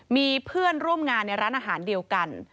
มีเพื่อนร่วมงานในร้านอาหารเดียวกัน